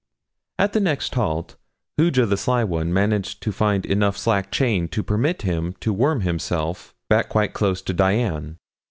At the next halt Hooja the Sly One managed to find enough slack chain to permit him to worm himself back quite close to Dian.